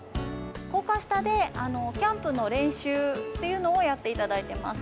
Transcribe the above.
高架下でキャンプの練習っていうのをやっていただいてます。